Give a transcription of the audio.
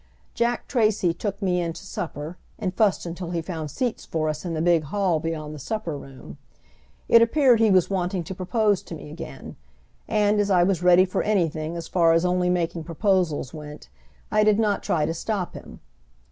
Jack Tracy took me in to supper, and fussed until he found seats for us in the big hall beyond the supper room. It appeared he was wanting to propose to me again; and, as I was ready for anything as far as only making proposals went, I did not try to stop him.